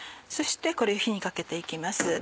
そしてこれ火にかけて行きます。